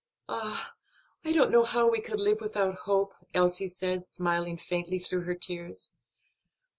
"Ah, I don't know how we could live without hope," Elsie said, smiling faintly through her tears.